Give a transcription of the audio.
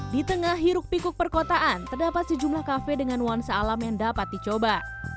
di tengah hiruk pikuk perkotaan terdapat sejumlah kafe dengan nuansa alam yang dapat dicoba